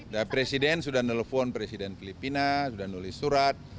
nah presiden sudah nelfon presiden filipina sudah nulis surat